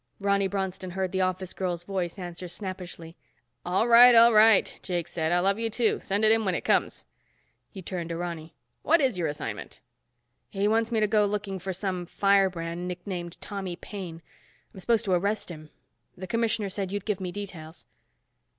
Ronny Bronston heard the office girl's voice answer snappishly. "All right, all right," Jakes said. "I love you, too. Send it in when it comes." He turned to Ronny. "What is your assignment?" "He wants me to go looking for some firebrand nicknamed Tommy Paine. I'm supposed to arrest him. The commissioner said you'd give me details."